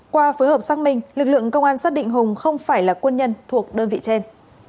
qua phối hợp xác minh lực lượng công an xác định hùng không phải là quân nhân thuộc đơn vị trên